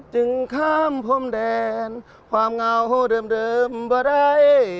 จึงข้ามผมแดนความเหงาเดิมบร้าย